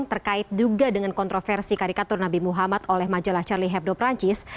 terkait juga dengan kontroversi karikatur nabi muhammad oleh majalah charlie hebdo perancis